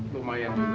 lumayan juga ya